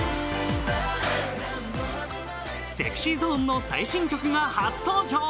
ＳｅｘｙＺｏｎｅの最新曲が初登場。